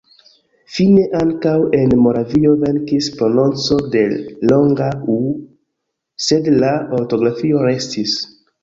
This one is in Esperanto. Fine ankaŭ en Moravio venkis prononco de longa u, sed la ortografio restis.